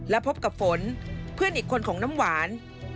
และพบกับฝนเพื่อนอีกคนของน้ำหวาน